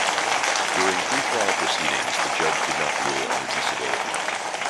During pre-trial proceedings, the judge did not rule on admissibility.